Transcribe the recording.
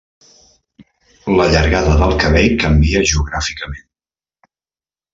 La llargada del cabell canvia geogràficament.